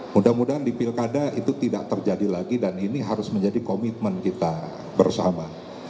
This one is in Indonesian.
mudah mudahan di pilkada itu tidak terjadi lagi dan ini harus menjadi komitmen kita bersama